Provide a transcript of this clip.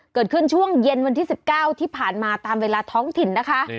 เกิดขึ้นช่วงเย็นวันที่๑๙ที่ผ่านมาตามเวลาท้องถิ่นนะคะ